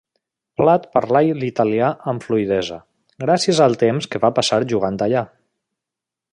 Platt parlà l'italià amb fluïdesa, gràcies al temps que va passar jugant allà.